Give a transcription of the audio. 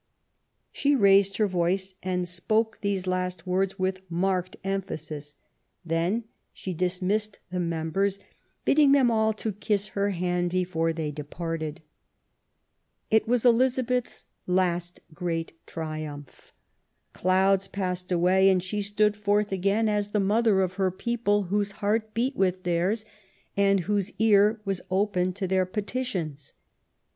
She raised her voice and spoke these last words with marked emphasis ; then she dismissed the members. LAST YEARS OF ELIZABETH. 297 bidding them all to kiss her hand before they departed. It was Elizabeth's last great triumph. Clouds passed away, and she stood forth again as the mother of her people, whose heart beat with theirs, and whose ear was open to their petitions.